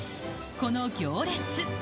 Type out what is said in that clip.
この行列。